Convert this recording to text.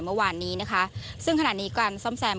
เมื่อวานนี้นะคะซึ่งขณะนี้การซ่อมแซม